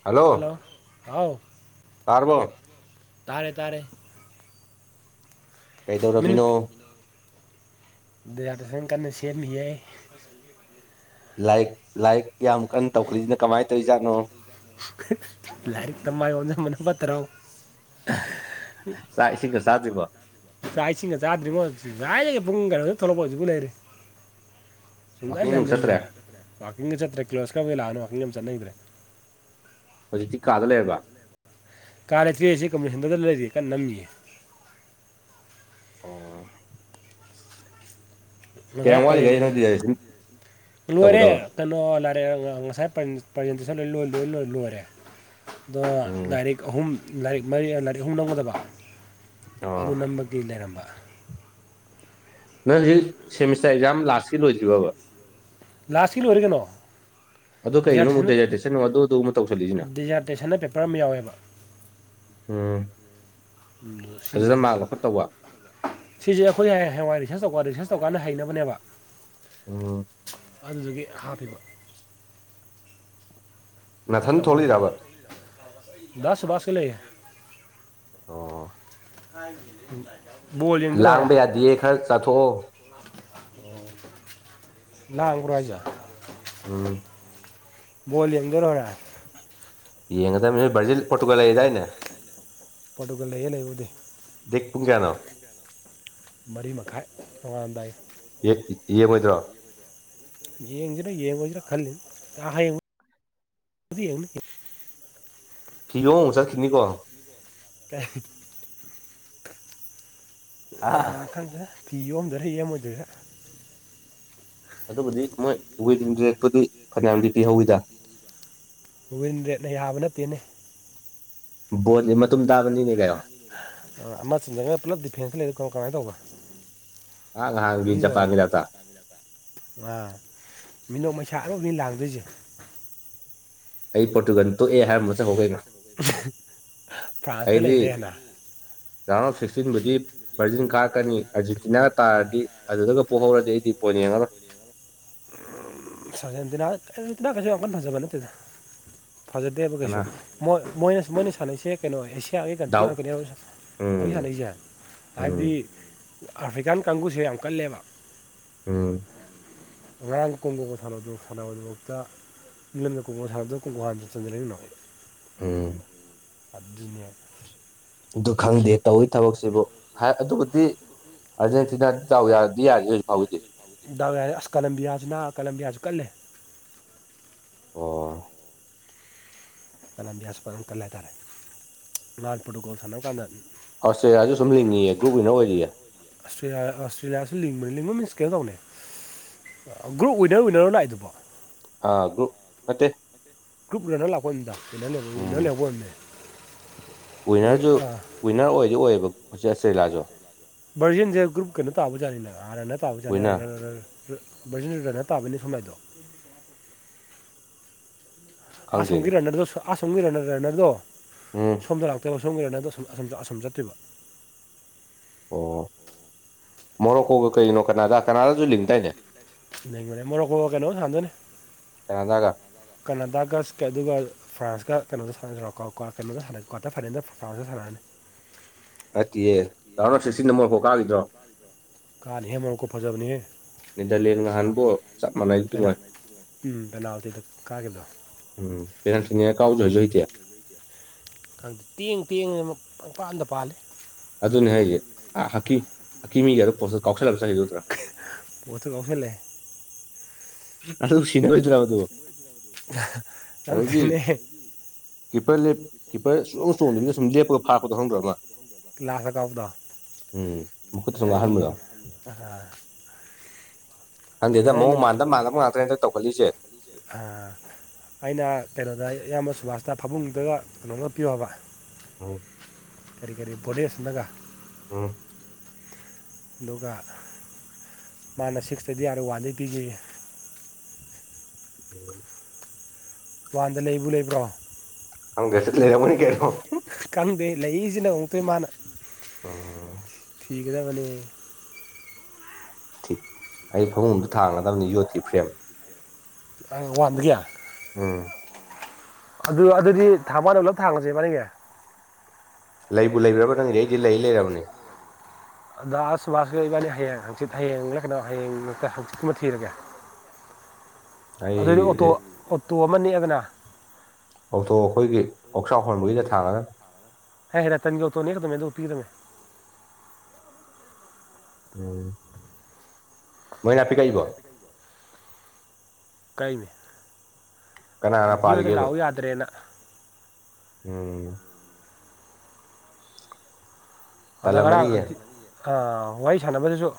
hello ꯍꯥꯎ ꯇꯥꯔꯕꯣ ꯇꯥꯔꯦ ꯇꯥꯔꯦ ꯀꯩꯗꯧꯔꯝꯃꯤꯅꯣ ꯗꯤꯖꯔꯇꯦꯁꯟ ꯀꯟꯅ ꯁꯦꯝꯃꯤꯌꯦ ꯂꯥꯏꯔꯤꯛ ꯂꯥꯏꯔꯤꯛ ꯌꯥꯝ ꯀꯟꯅ ꯇꯧꯈꯠꯂꯛꯏꯁꯤꯅ ꯀꯃꯥꯏꯅ ꯇꯧꯔꯤꯖꯥꯠꯅꯣ ꯂꯥꯏꯔꯤꯛꯇ ꯃꯥꯏ ꯑꯣꯟꯁꯤꯟꯕꯅ ꯐꯠꯇ꯭ꯔꯣ ꯆꯥꯛ ꯏꯁꯤꯡꯒ ꯆꯥꯗ꯭ꯔꯤꯕꯣ ꯆꯥꯛ ꯏꯁꯤꯡꯒ ꯆꯥꯗ꯭ꯔꯤꯕꯣ ꯉꯁꯥꯏꯗꯩ ꯄꯨꯨꯡ ꯀꯩꯅꯣꯗꯩ ꯊꯣꯛꯂꯛꯄꯗꯨ ꯍꯧꯖꯤꯛꯄꯣ ꯂꯩꯔꯤ ꯋꯥꯥꯛꯀꯤꯡ ꯁꯨꯡꯍꯟ ꯅꯨꯡ ꯆꯠꯇ꯭ꯔꯦ ꯍꯟꯖꯤꯟꯗ꯭ꯔꯦ ꯋꯥꯀꯤꯡꯒ ꯆꯠꯇ꯭ꯔꯦ ꯀꯤꯂꯣꯁꯀꯔ ꯃꯣꯏ ꯂꯑꯅꯤ ꯋꯥꯀꯤꯡꯒ ꯑꯃꯇ ꯆꯠꯅꯈꯤꯗ꯭ꯔꯦ ꯍꯧꯖꯤꯛꯇꯤ ꯀꯥꯗ ꯂꯩꯔꯕ ꯀꯥ ꯂꯩꯇ꯭ꯔꯤ ꯍꯧꯖꯤꯛ ꯀꯝꯄꯤꯇꯔ ꯁꯦꯟꯇꯔꯗ ꯂꯩꯔꯤ ꯀꯟ ꯅꯝꯃꯤ ꯑꯣ ꯀꯌꯥꯝ ꯋꯥꯠꯂꯤꯒꯦ ꯅꯣꯏ ꯗꯤꯖꯔꯇꯦꯁꯟ [unintelligible] ꯂꯣꯏꯔꯦ ꯇꯧꯒꯗꯕ ꯀꯩꯅꯣ ꯉꯁꯥꯏ ꯄ꯭ꯔꯖꯦꯟꯇꯦꯁꯟ ꯂꯣꯏ ꯂꯣꯏ ꯂꯣꯏ ꯂꯣꯏ ꯂꯣꯏꯔꯦ ꯑꯣ ꯎꯝ ꯂꯥꯏꯔꯤꯛ ꯑꯍꯨꯝ ꯂꯥꯏꯔꯤꯛ ꯃꯔꯤ ꯂꯥꯏꯔꯤꯛ ꯑꯍꯨꯝ ꯅꯝꯒꯗꯕ ꯑꯣ ꯑꯗꯨ ꯅꯝꯕꯒꯤ ꯂꯩꯔꯝꯕ ꯅꯪ ꯍꯧꯖꯤꯛ ꯁꯦꯃꯤꯁꯇꯔ ꯑꯦꯛꯖꯥꯝ ꯂꯥꯁꯀꯤ ꯂꯣꯏꯗ꯭ꯔꯤꯕꯕ ꯂꯥꯁꯀꯤ ꯂꯣꯏꯔꯦ ꯀꯩꯅꯣ ꯑꯗꯨ ꯀꯩꯒꯤꯅꯣ ꯑꯃꯨꯛ ꯗꯤꯖꯥꯔꯇꯦꯁꯟ ꯗꯦꯖꯔꯇꯦꯁꯟ ꯑꯗꯨ ꯑꯗꯨꯃꯨꯛ ꯇꯧꯁꯜꯂꯤꯁꯤꯅ ꯗꯤꯖꯥꯔꯇꯦꯁꯟꯅ ꯄꯦꯄꯔ ꯑꯃ ꯌꯥꯎꯋꯦꯕ ꯎꯝ ꯎꯝ ꯁꯤꯁꯦ ꯑꯗꯨꯗ ꯃꯥꯔꯛ ꯂꯧꯈꯠꯇꯧꯕ ꯁꯤꯁꯦ ꯑꯈꯣꯏ ꯍꯌꯦꯡꯋꯥꯢ ꯔꯤꯁ꯭ꯔꯁ ꯇꯧꯀꯟ ꯔꯤꯁ꯭ꯔꯁ ꯇꯧꯀꯥꯟꯗ ꯍꯩꯅꯕꯅꯦꯕ ꯎꯝ ꯑꯗꯨꯗꯨꯒꯤ ꯍꯥꯞꯄꯤꯕ ꯃ ꯊꯅꯤ ꯊ ꯊꯣꯛꯂ ꯌꯥꯕꯔ ꯁꯕꯥꯁꯀꯦ ꯂꯩ ꯑꯣ ꯍꯥꯏ ꯂꯥꯡꯕ ꯌꯥꯗꯌꯦ ꯈꯔ ꯆꯥꯊꯣꯛꯑꯣ ꯑꯣ ꯅꯈꯣ ꯍꯥꯏꯖ ꯎꯝ ꯣꯜꯂꯤ ꯑꯗꯔ ꯍꯔ ꯌꯦꯡ ꯉꯗ ꯔꯖꯤ ꯐꯣꯇꯨꯒꯣ ꯂꯩ ꯌꯥꯥꯏꯅꯦ ꯄ ꯂꯩꯌꯦꯦ ꯂꯩꯕꯨꯗꯤ ꯗꯄꯨꯡ ꯀꯩꯅꯣ ꯃꯔꯤ ꯃꯈꯥꯏ ꯍꯉꯝꯗꯥꯏ ꯌꯦ ꯃꯩꯗ꯭ꯔꯥ ꯌꯦꯡꯁꯤꯔꯥ ꯌꯦꯡꯉꯣꯏꯁꯤꯔꯥ ꯈꯜꯂꯤ ꯍꯌꯦꯡꯉ ꯌꯦꯡ ꯐꯤꯒꯣ ꯍꯁ ꯈꯤꯅꯤꯀꯣ ꯑꯥ ꯈꯟꯗ ꯐꯤ ꯌꯣꯝꯗꯣꯏꯔꯦ ꯌꯦꯃꯗ꯭ꯔꯦ ꯑꯗꯨꯕꯨꯗꯤ ꯃꯣꯏ ꯋꯤꯟ ꯔꯦꯛꯄꯨꯗꯤ ꯐꯅꯌꯥꯝꯗꯤ ꯇꯤꯍꯧꯋꯤꯗ ꯋꯤꯟ ꯔꯦꯠꯅ ꯌꯥꯕ ꯅꯠꯇꯦꯅꯤ ꯕꯣꯠꯅꯤ ꯃꯇꯨꯝ ꯇꯥꯕꯅꯤꯅꯦ ꯀꯩꯅꯣ ꯑꯃ ꯆꯤꯟꯖꯅ ꯄꯨꯂꯞ ꯗꯤꯐꯦꯟꯁꯇ ꯂꯩꯔꯤ ꯀꯣ ꯀꯃꯥꯏꯅ ꯇꯧꯕ ꯑ ꯑꯥ ꯃꯤꯅꯠ ꯃꯁꯥ ꯑꯧꯕꯅꯤ ꯂꯥꯡ ꯔꯤꯖꯨ ꯑꯩ ꯄꯣꯔꯇꯨꯒꯥꯟ ꯇꯣꯛꯑꯦ ꯍꯥꯏꯔꯝꯕ ꯆ ꯍꯧꯧꯒꯦꯩꯅꯣ ꯐ꯭ꯔꯥꯟꯁꯇ ꯂꯩꯔꯦꯅ ꯔꯥꯎꯟ ꯑꯣꯐ ꯁꯤꯛꯁꯇꯤꯟꯕꯨꯗꯤ ꯕꯥꯔꯖꯤꯟ ꯀꯥꯔꯛꯀꯅꯤ ꯑꯥꯔꯖꯦꯟꯇꯤꯅꯥꯒ ꯇꯥꯔꯗꯤ ꯑꯗꯨꯗꯒ ꯄꯨꯣꯛꯍꯧꯔꯗꯤ ꯑꯩꯗꯤ ꯄꯣꯏꯟ ꯌꯦꯡꯉꯔꯣꯏ [inaudible] ꯀꯩꯁꯨ ꯑ ꯅꯖꯕ ꯅꯗ ꯐꯖꯗꯦꯕ ꯀꯩꯁꯨ ꯀꯅꯥ ꯃꯣꯏ ꯃꯣꯏꯅ ꯃꯣꯏꯅ ꯁꯥꯟꯅꯁꯦ ꯀꯩꯅꯣ ꯑꯦꯁꯤꯌꯥꯒꯤ ꯀꯟꯇ꯭ꯔꯤ ꯗꯥꯎ ꯉꯥꯛꯇꯅꯦ ꯍꯥꯏꯕ ꯍꯧꯖꯤꯛ ꯎꯝ ꯁꯥꯟꯅꯁꯦ ꯎꯝ ꯍꯥꯏꯕꯗꯤ ꯑꯐ꯭ꯔꯤꯀꯥꯟ ꯀꯥꯡꯒꯨꯁꯦ ꯌꯥꯝ ꯀꯜꯂꯦꯕ ꯎꯝ ꯔꯥꯡ ꯀꯨꯝꯕ ꯥꯟ ꯁꯥꯟꯅꯕꯒꯤꯗꯃꯥꯟ ꯀ ꯍ ꯆꯟꯖ ꯎꯝ ꯑꯗꯨꯅ ꯑꯗꯨ ꯈꯪꯗꯦ ꯇꯧꯤ ꯊꯕꯛꯁꯤꯕꯨ ꯍꯥꯏ ꯑꯗꯨꯕꯨꯗꯤ ꯑꯥꯔꯖꯦꯟꯇꯤꯅꯥ ꯆꯥꯎ ꯌꯥꯔ ꯌꯁ ꯐꯕꯨꯗꯤ ꯗ ꯑꯁ ꯀꯂꯝꯕꯤ ꯆꯅ ꯀꯂꯝꯕꯤ ꯀꯂ ꯑꯣ ꯀꯅꯕꯤ꯭ꯌꯥꯁꯄ ꯀꯜꯂ ꯍꯥꯏꯇꯥꯔꯦ ꯃꯥꯥꯟꯅ ꯐ꯭ꯔꯣꯇꯣꯀꯣꯜ ꯁꯥꯟꯅꯕ ꯀꯥꯟꯗ ꯑꯁꯇ꯭ꯔꯦꯂꯤꯌꯥꯁꯨ ꯁꯨꯝ ꯂꯤꯡꯉꯤꯑꯦ ꯒ꯭ꯔꯨꯞ ꯋꯤꯟꯅꯔ ꯑꯣꯏꯔꯤꯌꯦ ꯑꯁꯇ꯭ꯔꯦꯂꯤꯌꯥꯁꯤꯤꯡ ꯂꯤꯡꯣ ꯃꯤꯁ ꯀꯦ ꯇꯧꯅꯦ ꯒ꯭ꯔꯨꯞ ꯋꯤꯟꯅꯔ ꯋꯤꯟꯅꯔ ꯥꯛꯏꯗꯨꯕꯣ ꯑ ꯑꯗꯨꯨ ꯃꯦ ꯭ꯔꯨꯞꯅ ꯂꯀꯣꯏꯟꯗ ꯂꯩ ꯎꯟꯅ ꯂꯩꯦꯕꯣ ꯑꯗꯨꯝꯅꯦ ꯑꯥ ꯍꯧꯆꯦꯁꯦ ꯏꯂꯥꯖꯣ ꯚꯔꯖꯤꯟꯁꯦ ꯒ꯭ꯔꯨꯞ ꯀꯩꯅꯣ ꯇꯥꯕꯖꯥꯠꯅꯤꯅ ꯑꯥꯔꯅ ꯇꯥꯕꯖꯥꯅꯤ ꯋꯤꯟꯅꯔ ꯕꯔꯖꯤꯟ ꯔꯗꯅ ꯇꯥꯕꯅꯤ ꯁꯨꯃꯥꯏꯗꯣ ꯈꯪꯗꯦꯅꯦ ꯑꯁꯣꯝꯒꯤꯗ ꯑꯁꯣ ꯔꯟꯅꯔꯗꯣ ꯎꯝ ꯁꯣꯝꯗ ꯂꯥꯛꯇꯕ ꯁꯁꯣꯝꯒꯤꯔ ꯅꯪꯗ ꯑꯁꯝ ꯆꯠꯇꯕ ꯑꯣ ꯃꯣꯔꯣꯛꯈꯣꯒ ꯀꯩꯅꯣ ꯀꯅꯥꯗ ꯀꯅꯥꯗꯁꯨ ꯂꯤꯡꯗꯏꯅꯦ ꯂꯩ ꯃꯅꯦ ꯃꯔꯣꯔꯣꯛꯀꯣ ꯀꯩꯅꯣ ꯊꯥꯟꯗꯣꯏꯅꯦ ꯀꯅꯥꯗꯥꯒ ꯀꯅꯥꯇꯥꯀ ꯑꯗꯨꯒ ꯐ꯭ꯔꯥꯟꯁꯀ ꯀꯩꯅꯣꯗ ꯁꯥꯟꯅ ꯀꯩꯅꯣꯗ ꯁꯥꯟꯅ ꯀ꯭ꯋꯥꯔꯇꯔ ꯐꯥꯏꯅꯦꯜꯗ ꯐ꯭ꯔꯥꯟꯁꯀ ꯁꯥꯟꯅꯔꯅꯤ ꯑꯠꯇꯦ ꯀꯅ ꯁꯤꯁꯤ ꯅ ꯃ ꯍꯣ ꯀꯥꯈꯤꯗ꯭ꯔꯣ ꯀꯥꯅꯤꯍꯦ ꯃꯣꯔꯣꯀꯣ ꯐꯖꯕꯅꯤꯍꯦ ꯅꯗ ꯂ ꯉ ꯍꯥꯟꯕꯣ ꯆꯞ ꯄꯦꯅꯥ ꯃꯥꯟꯅꯇꯃꯣꯏ ꯎꯝ ꯄꯦꯅꯥꯜꯇꯤꯗ ꯀꯥꯈꯤꯕꯗꯣ ꯎꯝ ꯄꯤꯔꯊꯅꯤꯥꯎꯖꯣꯏꯖꯏꯇ ꯇꯦꯡ ꯇꯦꯡ ꯄ ꯑꯝꯗ ꯄꯥꯜꯜꯂꯤ ꯑꯗꯨꯅꯦ ꯍꯥꯏꯁꯦ ꯍꯥꯀꯤ ꯍꯛꯀꯤ ꯃꯤ ꯌꯥꯔ ꯄꯣ ꯀꯥꯎꯁꯜꯂꯛ ꯠꯇ ꯀꯥꯎ ꯐꯦ ꯑꯗꯨ ꯁꯤꯅꯔꯣꯏꯗ꯭ꯔꯥ ꯑꯗꯨ ꯑꯪꯈꯅꯦ ꯂꯦꯞꯄꯔ ꯆꯣꯡ ꯆꯣꯡꯗꯅꯤꯅ ꯁꯨꯝ ꯂꯦꯞꯄꯒ ꯐꯥꯄꯗꯣ ꯍꯧꯔꯈ꯭ꯔ ꯑꯃ ꯎꯝ ꯃꯈꯨꯠꯇ ꯁꯨꯝ ꯍꯥꯏꯒ ꯉꯥꯡꯍꯟꯕꯗꯣ ꯑꯥ ꯍꯪꯗꯦꯗ ꯃꯑꯣꯡ ꯃꯥꯟꯗ ꯃꯥꯟꯅꯕ ꯉꯥꯛꯇꯅꯦ ꯍꯇ ꯇꯧꯈꯠꯂꯤꯁꯦ ꯑꯥ ꯑꯩꯅ ꯀꯩꯅꯣꯗ ꯑꯌꯥꯝꯕ ꯁꯨꯕꯥꯁꯇ ꯐꯥꯃꯨꯡꯗꯨꯒ ꯀꯩꯅꯣꯝꯃꯒ ꯄꯤꯌꯣ ꯍꯥꯏꯕ ꯎꯝ ꯀꯩ ꯀꯔꯤꯕꯣꯂꯤꯦꯁ ꯅꯒ ꯎꯝ ꯑꯗꯨꯒ ꯃꯥꯅ ꯁꯤꯛꯁꯇꯗꯤ ꯌꯥꯔꯦ ꯋꯥꯟꯗꯩ ꯄꯤꯈꯤ ꯎꯝ ꯋꯥꯟꯗ ꯂꯩꯕꯨ ꯂꯩꯕ꯭ꯔꯣ ꯁꯔ ꯃꯅꯤ ꯀꯦ꯭ꯔ ꯀꯪꯗꯦ ꯂꯩꯔꯤꯁꯤꯅ ꯑꯃꯨꯛꯇꯣꯏ ꯃꯥꯅ ꯑ ꯄꯒꯗ ꯐꯅꯦ ꯊꯤ ꯑꯩ ꯐꯃꯨꯡꯗ ꯊꯥꯡꯒꯗꯕꯅꯤ ꯌꯣꯠꯇꯔꯤ ꯐ꯭ꯔꯦꯝ ꯑꯪ ꯋꯥꯕꯒꯤꯌꯥ ꯎꯝ ꯑꯗꯨ ꯑꯗꯨꯗꯤ ꯊ ꯃꯥꯗ ꯄꯨꯂꯞ ꯊꯥꯡꯉꯁꯦ ꯃꯥꯅꯤꯅꯦ ꯂꯩꯕꯨ ꯂꯩꯕ꯭ꯔꯕ ꯅꯪꯗꯤ ꯑꯩꯗꯤ ꯂꯩ ꯂꯩꯔꯕꯅꯦ ꯑꯗ ꯑꯁ ꯃꯥꯁ ꯂꯩ ꯏꯕꯥꯅꯤ ꯍꯌꯦꯡ ꯍꯥꯡꯆꯤꯠ ꯍꯌꯦꯡꯂ ꯂꯩ ꯀꯩꯅꯣ ꯍꯌꯦꯡ ꯍꯥꯡꯆꯤꯠꯃ ꯊꯤꯔꯒꯦ ꯎ ꯑꯗꯨ ꯑꯣꯏꯏꯗꯤ ꯑꯣꯇꯣ ꯑꯣꯇꯣ ꯑꯃ ꯅꯦꯛꯑꯒꯅ ꯑꯣꯇꯣ ꯑꯩꯈꯣꯏꯒꯤ ꯑꯣꯛꯆꯥꯎ ꯍꯣꯟꯕꯒꯤꯅ ꯊꯥꯡꯉꯒ ꯍ ꯔꯇꯟꯒꯤ ꯇꯅꯤꯗ ꯑꯗꯨ ꯇꯤꯔ ꯎꯝ ꯃꯣꯏꯅꯥꯅꯥꯄꯤ ꯀꯥꯏꯕ ꯀꯩꯅꯦ ꯀꯅꯥ ꯀꯅꯥ ꯑꯟꯕꯤ ꯑꯣꯗ ꯄꯥꯔꯤꯒꯦꯕ ꯂꯥꯛꯑꯣ ꯌꯥꯗ꯭ꯔꯦꯅ ꯎꯝ ꯑꯗ ꯉꯔꯥꯡ ꯇꯜꯂꯝꯃꯅꯤꯌꯦ ꯋꯥꯔꯤ ꯁꯥꯟꯅꯕꯗꯨꯁꯨ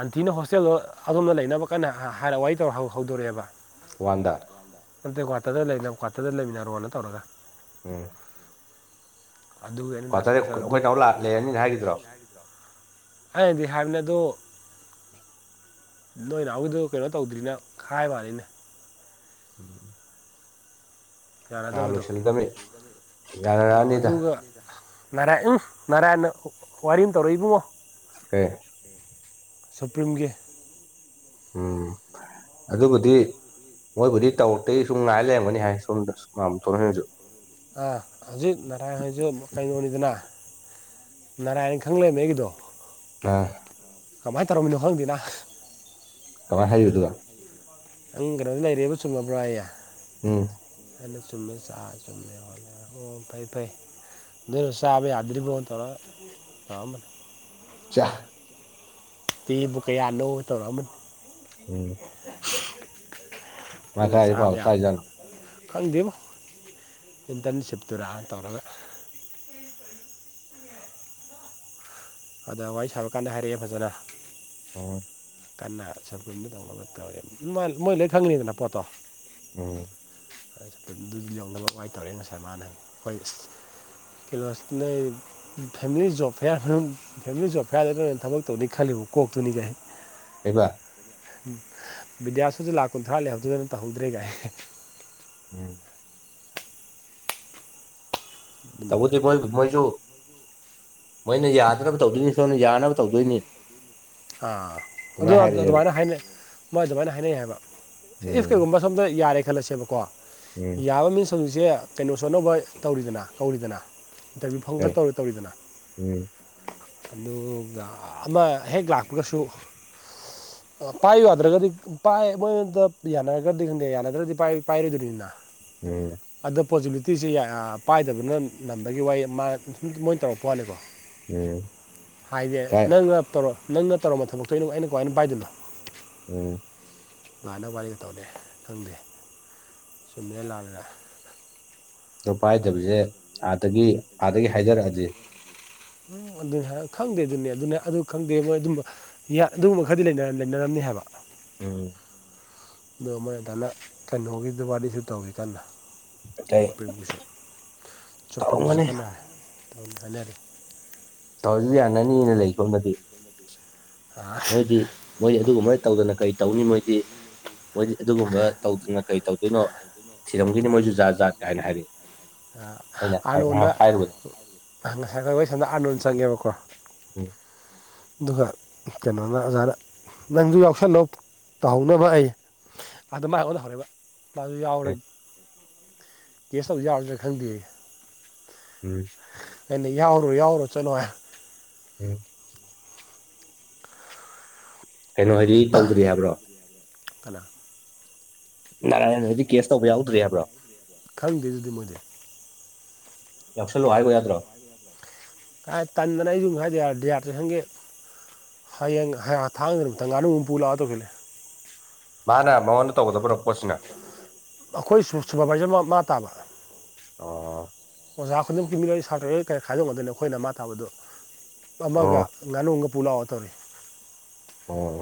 ꯑꯟꯇꯤꯅ ꯍꯣꯁꯇꯦꯜꯗꯣ ꯑꯗꯣꯝꯗ ꯂꯩꯅꯕ ꯀꯟꯅ ꯍꯥꯏꯔ ꯋꯥꯔꯤ ꯇꯧꯔ ꯍꯧꯗꯣꯔꯛꯑꯦꯕ ꯋꯥꯟꯗ ꯅꯠꯇꯦ ꯀ꯭ꯋꯥꯇꯔꯗ ꯂꯩ ꯀ꯭ꯋꯥꯇꯔꯗ ꯂꯩꯃꯤꯟꯅꯔꯣꯅ ꯇꯧꯔꯒ ꯎꯝ ꯑꯗꯨꯒꯤ ꯑꯩꯅ ꯀ ꯗꯥ ꯇꯔꯦꯠ ꯁꯨꯕꯥꯁꯇ ꯑꯗꯨ ꯑꯩꯈꯣꯏ ꯇ ꯂꯥꯛꯂꯔꯅꯤꯅ ꯍꯥꯏꯈꯤꯗ꯭ꯔꯣ ꯑ ꯕꯤꯍꯥꯅꯗ ꯅꯣꯏ ꯅꯍꯎꯏꯗ ꯀꯩꯅꯣ ꯇꯧꯗ꯭ꯔꯤꯅ ꯈꯥꯏ ꯃꯥꯅꯤꯅꯦ ꯎꯝ ꯌꯥꯅꯗꯕꯗꯣ ꯎꯝ ꯌꯥꯅꯔꯛꯑꯅꯤꯗ ꯑꯗꯨꯒ ꯅꯔꯥ ꯎꯝ ꯅꯔꯥꯅ ꯋꯥꯔꯤ ꯇꯧꯔꯛ ꯏꯕꯨꯡꯉꯣ ꯀꯦ ꯁꯨꯄ꯭ꯔꯤꯝꯒꯤ ꯎꯝ ꯑꯗꯨꯕꯨꯗꯤ ꯃꯣꯏꯕꯨꯗꯤ ꯇꯧꯔꯛꯇꯦ ꯁꯨꯝ ꯉꯥꯏ ꯂꯩꯔꯝꯒꯅꯤ ꯍꯥꯏ ꯁꯣꯝꯗ ꯇꯣꯏꯁꯨ ꯍꯧꯛ ꯅꯅꯥꯥꯏꯖꯤ ꯃꯈꯀꯗꯅ ꯅꯔꯥꯟ ꯈꯪꯝꯃꯦ ꯑꯩꯒꯤꯗꯣ ꯑ ꯀꯃꯥꯏꯅ ꯇꯧꯔꯝꯃꯤꯅꯣ ꯈꯪꯗꯦꯅ ꯀ ꯍꯥꯏꯩꯗꯨꯗ ꯅꯪ ꯀꯩꯅꯣꯗꯤ ꯂꯩꯔꯦꯕ ꯆꯨꯝꯃꯕ꯭ꯔꯣ ꯑꯩꯌꯦ ꯎꯝ ꯑꯅ ꯆꯨꯝꯃꯦ ꯆꯥꯛ ꯆꯨꯝꯃꯦ ꯈꯣꯠꯂꯦ ꯑꯣ ꯐꯩ ꯐꯩ ꯑꯗꯨꯁꯕ ꯌꯥꯗꯔꯤꯕ ꯇꯧꯔ ꯀꯅꯦ ꯆꯥ ꯄꯦꯕꯨ ꯀꯌꯥꯅꯧꯕ ꯇꯧꯔꯛꯑꯝꯕꯅꯣ ꯎꯝ ꯉ ꯑꯗꯨꯅ ꯀꯥꯏꯔꯦ ꯄꯥꯎ ꯆꯥꯕ ꯌꯥ ꯇꯥꯏꯖꯅꯣ ꯈꯪꯗꯦꯕꯣ ꯏꯟꯇꯔꯟꯁꯤꯞꯇꯨꯔꯥ ꯇꯧꯔꯒ ꯑꯗ ꯋꯥꯔꯤ ꯁꯥꯕ ꯀꯥꯟꯗ ꯍꯥꯏꯔꯛꯑꯦ ꯐꯖꯅ ꯑꯣ ꯀꯟꯅ ꯁ ꯃꯣꯏ ꯂꯣꯏ ꯈꯪꯅꯤꯗꯅ ꯄꯣꯠꯇꯣ ꯎꯝ ꯑꯗꯨ ꯌꯧꯅꯕ ꯥꯏ ꯇꯧꯔꯦ ꯉꯁꯥꯏ ꯃꯥꯅ ꯑꯩꯈꯣꯏ ꯀꯣ ꯐꯦꯃꯤꯂꯤ ꯣ ꯐꯦꯔ ꯐꯦꯃꯤꯂꯤ ꯖꯣ ꯐꯦꯌꯥꯔꯗ ꯊꯕꯛ ꯇꯧꯅꯤ ꯈꯜꯂꯤ ꯀꯣꯛꯇꯨꯅꯤꯒꯦ ꯀꯕ ꯎꯝ ꯕꯤꯗ꯭ꯌꯥꯁꯨꯁꯨ ꯂꯥꯛ ꯀꯨꯟꯊ꯭ꯔꯥ ꯂꯩꯍꯧꯗꯗꯅ ꯇꯧꯍꯧꯗ꯭ꯔꯦ ꯀꯥꯏ ꯎꯝ ꯑꯗꯨꯝꯕ ꯇꯧꯕꯨꯗꯤ ꯋꯥꯔꯤ ꯃꯣꯏ ꯈꯔ ꯃꯣꯏꯁꯨ ꯃꯣꯏꯅ ꯌꯥꯗꯅꯕ ꯇꯧꯗꯣꯏꯅꯤ ꯁꯣꯝꯅ ꯌꯥꯅꯕ ꯇꯧꯗꯣꯏꯅꯤ ꯑꯥ ꯑꯗꯨ ꯑꯗꯨꯃꯥꯏꯅ ꯍꯥꯏꯔꯛꯑꯦꯕ ꯑꯗꯨꯃꯥꯏꯅ ꯍꯥꯏꯅꯩ ꯃꯣꯏ ꯑꯗꯨꯃꯥꯏꯅ ꯍꯥꯏꯅꯩ ꯍꯥꯏꯕ ꯏꯐ ꯎꯝ ꯀꯩꯒꯨꯝꯕ ꯁꯣꯝꯗ ꯌꯥꯔꯦ ꯈꯜꯂꯁꯦꯕꯀꯣ ꯎꯝ ꯌꯥꯕ ꯃꯤꯟꯁ ꯍꯧꯖꯤꯛꯁꯦ ꯀꯩꯅꯣ ꯁꯣꯅꯕ ꯇꯧꯔꯤꯗꯅ ꯀꯧꯔꯤꯗꯅ ꯏꯟꯇꯔꯚꯤꯌꯨ ꯐꯪꯒ ꯀꯩ ꯇꯧꯔꯤ ꯇꯧꯔꯤꯗꯅ ꯎꯝ ꯑꯗꯨꯒ ꯑꯃ ꯍꯦꯛ ꯂꯥꯛ ꯁꯣ [unintelligible] ꯄꯥꯏꯌꯨ ꯌꯥꯗ꯭ꯔꯒꯗꯤ ꯄꯥꯏ ꯃꯣꯏꯗ ꯌꯥꯅꯔꯒꯗꯤ ꯈꯪꯗꯦ ꯌꯥꯅꯗ꯭ꯔꯒꯗꯤ ꯄꯥꯏꯔꯣꯏꯗꯣꯏꯅꯤꯅ ꯎꯝ ꯄꯣꯖꯤꯕꯤꯂꯤꯇꯤꯁꯦ ꯄꯥꯏꯗꯕꯅ ꯅꯝꯕꯒꯤ ꯋꯥꯏ ꯃꯥ ꯁꯨꯝ ꯃꯣꯏꯅ ꯇꯧꯔꯛꯄ ꯋꯥꯅꯤꯀꯣ ꯎꯝ ꯍꯥꯏꯗꯤꯦ ꯀꯥꯏ ꯅꯪ ꯉꯥꯞꯇꯧꯔꯣ ꯅꯪꯅ ꯇꯧꯔꯝꯕ ꯊꯕꯛꯇꯩꯅꯣ ꯑꯩꯅ ꯀꯃꯥꯏꯅ ꯄꯥꯏꯗꯅꯣ ꯎꯝ ꯂꯥꯟꯅꯕ ꯋꯥꯔꯤꯒ ꯇꯧꯔꯦ ꯈꯪꯗꯦ ꯆꯨꯝꯗꯅ ꯂꯥꯜꯂꯒ ꯄꯥꯏꯗꯕꯁꯦ ꯑꯥꯗꯒꯤ ꯑꯥꯗꯒꯤ ꯍꯥꯏꯖꯔꯛꯑꯗꯤ ꯎꯝ ꯑꯗꯨ ꯈꯪꯗꯦ ꯑꯗꯨꯅꯦ ꯑꯗꯨꯅꯦ ꯑꯗꯨ ꯈꯪꯗꯦ ꯃꯣꯏ ꯑꯗꯨꯝꯕ ꯑꯗꯨꯒꯨꯝꯕ ꯈꯔꯗꯤ ꯂꯩꯅꯔꯝꯅꯤ ꯍꯥꯏꯕ ꯎꯝ ꯑꯣ ꯃꯣꯏ ꯑꯗꯨꯗꯥꯅ ꯀꯩꯅꯣꯒꯤꯗꯨ ꯋꯥꯔꯤꯗꯤꯁꯨ ꯇꯧꯋꯤ ꯀꯥꯟꯗ ꯀꯩ ꯁꯄ꯭ꯔꯤꯝ ꯀꯣꯔ ꯁꯨꯄ꯭ꯔꯤꯝ ꯀꯣꯔꯠ ꯇꯧꯔꯝꯒꯅꯤ ꯀꯅꯥ ꯑꯗꯨꯝ ꯊꯅꯤꯔ ꯇꯁꯨ ꯌꯥꯅꯅꯤꯅ ꯂꯩ ꯁꯣꯅꯗꯤ ꯃꯣꯏꯗꯤ ꯃꯣꯏ ꯑꯗꯨꯒꯨꯝꯕꯅ ꯇꯧꯗꯅ ꯀꯔꯤ ꯇꯧꯅꯤ ꯃꯣꯏꯗꯤ ꯃꯣꯏꯗꯤ ꯑꯗꯨꯒꯨꯝꯕ ꯇꯧꯗꯅ ꯀꯔꯤ ꯇꯧꯗꯣꯏꯅꯣ ꯊꯤꯔꯝꯈꯤꯅꯤ ꯃꯣꯏꯁꯨ ꯖꯥꯠ ꯖꯥꯠ ꯀꯥꯏꯅ ꯍꯥꯏꯔꯛꯏꯦ ꯑꯥꯅꯣꯟꯗ ꯉꯁꯥꯏ ꯑꯩꯈꯣꯏ ꯍꯣꯏ ꯁꯣꯝꯗ ꯑꯥꯅꯣꯟꯗ ꯆꯪꯉꯦꯕꯀꯣ ꯎꯝ ꯍꯥ ꯀꯩꯅꯣꯅ ꯑꯣꯖꯥꯗ ꯅꯪꯁꯨ ꯌꯥꯎꯁꯜꯂꯣ ꯇꯧꯍꯧꯅꯕ ꯑꯩ ꯑꯗ ꯃꯥ ꯑꯣꯅ ꯍꯧꯧꯔꯕ ꯌꯥꯎꯔꯦ ꯀꯒꯦꯁ ꯇꯧ ꯌꯥꯎꯔꯗ꯭ꯔꯥ ꯈꯪꯗꯌꯦ ꯎꯝ ꯩꯅ ꯌꯥꯎꯔꯣ ꯌꯥꯎꯔꯣ ꯆꯠꯂꯣ ꯍꯥꯏ ꯎꯝ ꯀꯩꯅꯣ ꯍꯥꯏꯗꯤ ꯇꯧꯗ꯭ꯔꯤ ꯍꯥꯏꯕ꯭ꯔꯣ ꯀ ꯅꯔꯥ ꯍꯥꯏꯗꯤ ꯀꯦꯁ ꯇꯧꯕ ꯌꯥꯎꯗ꯭ꯦ ꯍꯥꯏꯕ꯭ꯔꯣ ꯈꯪꯗꯦ ꯑꯗꯨꯗꯤ ꯃꯣꯏꯗꯤ ꯌꯥꯎꯁꯜꯂꯣ ꯍꯥꯏꯒꯣ ꯌꯥꯗ꯭ꯔꯣ ꯀꯥꯏ ꯀꯥꯟꯗꯅꯦ ꯗꯤ ꯌꯥꯇ꯭ꯔꯦ ꯍꯪꯒꯦ ꯍꯌꯦꯡ ꯊꯥꯡꯗ ꯅꯨꯃꯤꯊꯪ ꯉꯅꯨꯝ ꯄꯨ ꯂꯥꯛꯑꯒ ꯇꯧꯁꯤꯜꯂꯦ ꯃꯥꯅ ꯃꯉꯣꯟꯗ ꯇꯧꯒꯗꯕ꯭ꯔꯣ ꯄꯣꯠꯁꯤꯅ ꯑꯩꯈꯣꯏ ꯁꯨꯄꯔꯚꯥꯏꯖꯔ ꯃꯥ ꯇꯥꯕ ꯑꯣ ꯑꯣꯖꯥ ꯈꯨꯗꯤꯡꯃꯛꯀꯤ ꯃꯤꯒ ꯁꯥꯇ꯭ꯔ ꯀꯔ ꯈꯥꯏꯗꯣꯛꯅꯗꯣꯏꯅꯤ ꯑꯩꯈꯣꯏꯅ ꯃꯥ ꯇꯥꯕꯗ ꯑꯃꯒ ꯑꯣ ꯉꯥꯅꯨꯒ ꯄꯨꯂꯥꯎ ꯑ ꯇꯔꯤꯦ ꯑꯣꯝ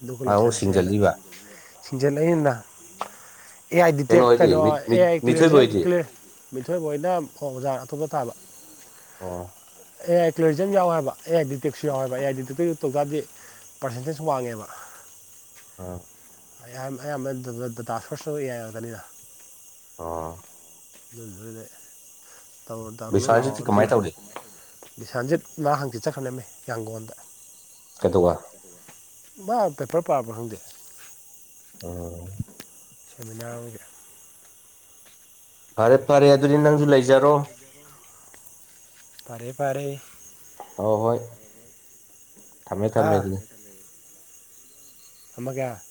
ꯑꯗꯨꯒ ꯂꯣꯏꯁꯤꯜꯂꯁꯦ ꯍꯥꯏꯅ ꯁꯤꯡꯖꯜꯂꯤꯕ ꯁꯤꯡꯖꯦꯜ ꯑꯏꯅ ꯑꯦ ꯑꯥꯏ ꯗꯤꯇꯦꯛ ꯍꯣꯏꯗꯤ ꯀꯩꯅꯣ ꯃꯤ ꯃꯤ ꯑꯦ ꯑꯥꯏ ꯃꯤꯊꯣꯏꯕ ꯀ꯭ꯂꯤꯌꯥꯔꯁ ꯍꯣꯏꯗꯤ ꯀ꯭ꯂꯤꯌꯥꯔ ꯂꯣꯏ ꯑꯣꯏꯅ ꯑꯣ ꯑꯣꯖꯥ ꯑꯇꯣꯞꯄ ꯇꯥꯕ ꯑꯣ ꯀ꯭ꯂ꯭ꯔꯤꯖꯟ ꯌꯥꯎꯋꯦꯕ ꯑꯦ ꯑꯥꯏ ꯗꯤꯇꯦꯛꯁꯨ ꯌꯥꯎꯋꯦꯕ ꯑꯦ ꯑꯥꯏ ꯗꯤꯇꯦꯛꯇ ꯌ ꯇꯧ ꯇꯥꯔꯗꯤ ꯄꯥꯔꯁꯦꯟꯇꯦꯖ ꯋꯥꯡꯉꯦꯕ ꯑꯥ ꯑꯌꯥꯝꯕꯗ ꯗꯇꯥ ꯁꯣꯔꯁꯁꯨ ꯏ ꯌꯥꯔꯗꯅꯤꯅ ꯑ ꯑꯗꯨ ꯇꯧꯔꯣ ꯇꯧꯔꯣꯅꯣ ꯕꯤꯁ꯭ꯋꯥꯟꯁꯤꯗꯤ ꯂꯥꯛꯑꯣꯔ ꯀꯃꯥꯏ ꯇꯧꯔꯤ ꯀꯂ ꯁꯥꯟꯁꯤꯠ ꯉꯥ ꯍꯪꯆꯤꯠ ꯆꯠꯈ꯭ꯔꯅꯝꯃꯤ ꯌꯥꯡꯒꯣꯟꯗ ꯑꯗꯨ ꯑꯗꯨꯒꯋꯥ ꯃꯥ ꯄꯦꯄꯔ ꯄꯥꯕ ꯈꯪꯗꯦ ꯎꯝ ꯁꯦꯃꯤꯅꯥꯔ ꯑꯣꯏꯒ ꯐꯔꯦ ꯐꯔꯦ ꯑꯗꯨꯗꯤ ꯅꯪꯁꯨ ꯂꯩꯖꯔꯣ ꯐꯔꯦ ꯐꯔꯦ ꯍ ꯍꯣꯏ ꯊꯝꯃꯦ ꯊꯝꯃꯦ ꯍꯥ ꯑꯗꯨ ꯃꯉ